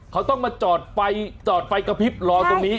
เขาต้องมาจอดไฟจอดไฟกระพริบรอตรงนี้